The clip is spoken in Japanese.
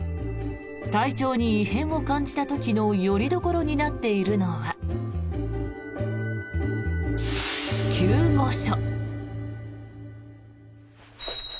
体調に異変を感じた時のよりどころになっているのは救護所。